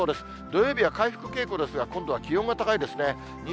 土曜日は回復傾向ですが、今度は気温が高いですね。